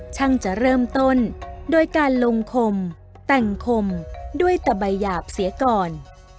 ช่างจะเริ่มต้นโดยการลงคมแต่งคมด้วยตะใบหยาบเสียก่อน